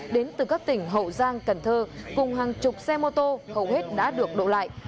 đến từ các tỉnh hậu giang cần thơ cùng hàng chục xe mô tô hầu hết đã được đổ lại